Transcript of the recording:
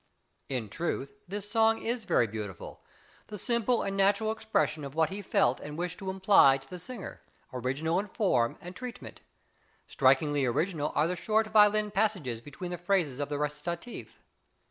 In truth this song is very beautiful, the simple and natural expression of what he felt and wished to imply to the singer, original in form and treatment. Strikingly original are the short violin passages between the phrases of the recitative.